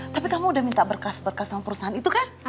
tapi kamu udah minta berkas berkas sama perusahaan itu kan